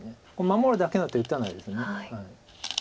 守るだけの手打たないです。